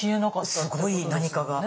すごい何かが。